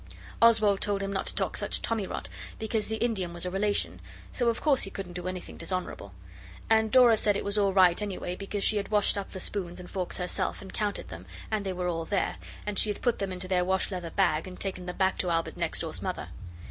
Oswald told him not to talk such tommy rot because the Indian was a relation, so of course he couldn't do anything dishonourable. And Dora said it was all right any way, because she had washed up the spoons and forks herself and counted them, and they were all there, and she had put them into their wash leather bag, and taken them back to Albert next door's Mother.